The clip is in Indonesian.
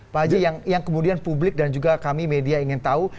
pak haji yang kemudian publik dan juga kami media ingin tahu